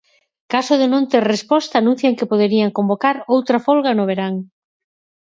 Caso de non ter resposta anuncian que poderían convocar outra folga no verán.